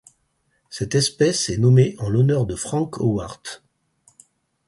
Cette espèce est nommée en l'honneur de Frank Howarth.